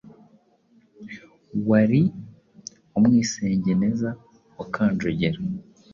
Wari Umwisengeneza wa Kanjogera.